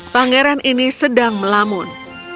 pangeran ini sedang melamun